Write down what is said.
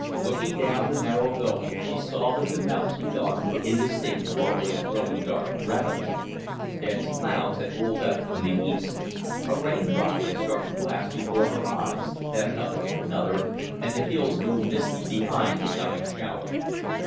Looking down the narrow gulch she saw that the mountains beyond were indistinct for it was growing dark rapidly. Dense clouds had rolled up from the east. A rain drop struck the glass before her eyes, then another and another, and the hills grew misty behind the coming shower.